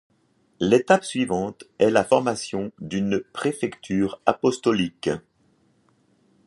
L'étape suivante est la formation d'une préfecture apostolique.